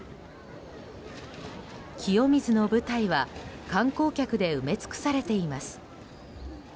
清水の舞台は観光客で埋め尽くされています。